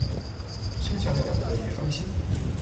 剩下的两个已翻新。